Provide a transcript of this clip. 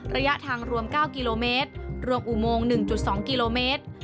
ระยะทางรวม๙กิโลเมตรรวมอุโมง๑๒กิโลเมตร